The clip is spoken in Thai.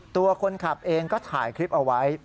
ตัวคนขับเองก็ถ่ายคลิปเอาไว้